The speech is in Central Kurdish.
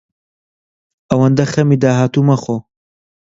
ئەوەندە خەمی داهاتوو مەخۆ.